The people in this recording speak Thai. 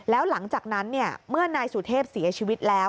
แล้วหลังจากนั้นเมื่อนายสุเทพเสียชีวิตแล้ว